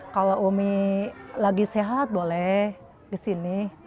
kalau umi lagi sehat boleh di sini